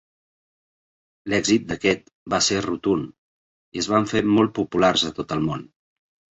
L'èxit d'aquest va ser rotund, i es van fer molt populars a tot el món.